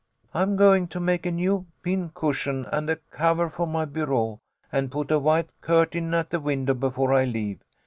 I'm going to make a new pincushion and a cover for my bureau, and put a white curtain at the win dow before I leave.